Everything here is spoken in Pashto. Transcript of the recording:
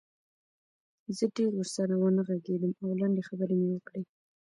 زه ډېر ورسره ونه غږېدم او لنډې خبرې مې وکړې